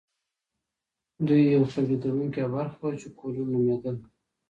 دوی یوه تولیدونکې برخه وه چې کولون نومیدل.